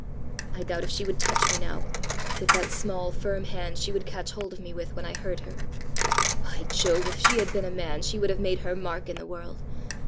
I doubt if she would touch me now with that small, firm hand she would catch hold of me with when I hurt her. By Jove, if she had been a man, she would have made her mark in the world!